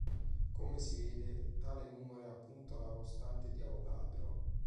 Come si vede, tale numero è appunto la costante di Avogadro.